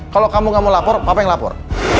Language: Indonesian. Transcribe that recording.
kalau kamu gak mau lapor papa yang lapor